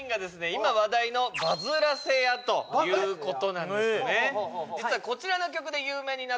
今話題のバズらせ屋ということなんですね